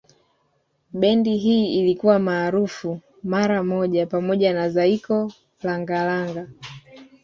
Bendi hii ilikuwa maarufu mara moja pamoja na Zaiko Langa Langa